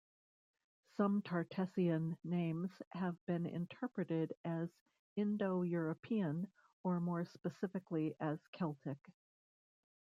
Some Tartessian names have been interpreted as Indo-European or more specifically as Celtic.